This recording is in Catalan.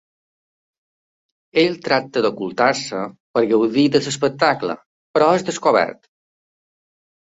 Ell tracta d'ocultar-se per gaudir de l'espectacle, però és descobert.